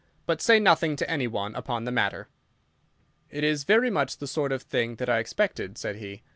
But say nothing to anyone upon the matter "It is very much the sort of thing that I expected," said he.